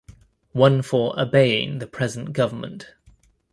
One for Obeying the Present Government.